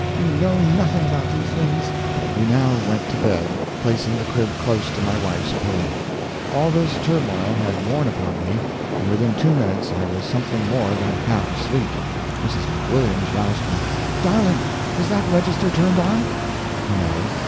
You know nothing about these things." We now went to bed, placing the crib close to my wife's pillow. All this turmoil had worn upon me, and within two minutes I was something more than half asleep. Mrs. McWilliams roused me: "Darling, is that register turned on?" "No."